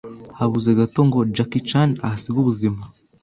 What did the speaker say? Habuze gato ngo Jackie Chan ahasige ubuzima